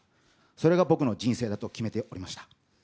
それが僕の人生だと決めておりま